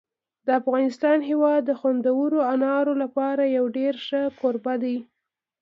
د افغانستان هېواد د خوندورو انارو لپاره یو ډېر ښه کوربه دی.